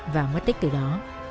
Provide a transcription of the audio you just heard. và mất tích từ đó